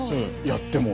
やっても。